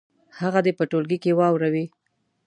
هغه دې په ټولګي کې واوروي.